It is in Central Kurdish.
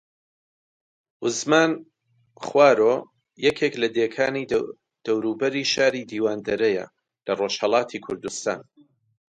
وزمان خوارۆ یەکێک لە دێکانی دەوروبەری شاری دیواندەرەیە لە ڕۆژھەڵاتی کوردستان